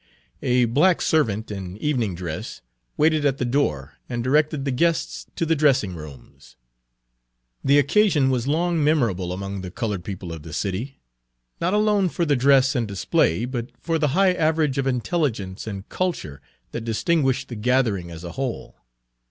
A black servant in evening dress waited at the door and directed the guests to the dressing rooms. The occasion was long memorable among the colored people of the city; not alone for the dress and display, but for the high average of intelligence and culture that distinguished the gathering as a whole.